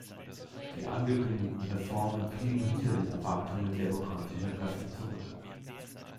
Die angekündigten Reformen blieben hinter den Erwartungen demokratischer Kräfte zurück.